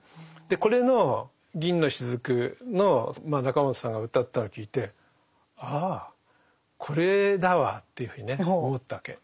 でこれの「銀の滴」の中本さんがうたったのを聞いて「ああこれだわ」というふうにね思ったわけ。